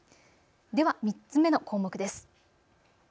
では３つ目の項目です。